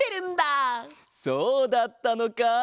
そうだったのか！